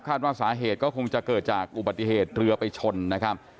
ว่าสาเหตุก็คงจะเกิดจากอุบัติเหตุเรือไปชนนะครับ